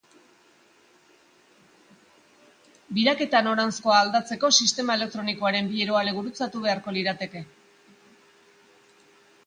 Biraketa noranzkoa aldatzeko sistema elektronikoaren bi eroale gurutzatu beharko lirateke.